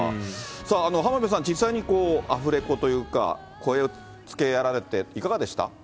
さあ、浜辺さん、実際にアフレコというか、声つけをやられて、いかがでした？